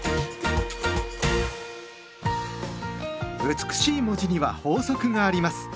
美しい文字には法則があります。